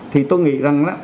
thì tôi nghĩ rằng là